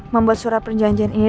membuat surat perjanjian ini